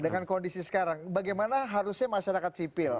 dengan kondisi sekarang bagaimana harusnya masyarakat sipil